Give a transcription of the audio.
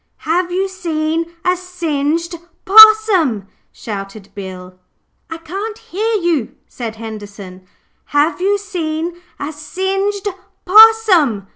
'Have you seen a singed possum?' shouted Bill. 'I can't hear you,' said Henderson. 'Have you seen a SINGED POSSUM?'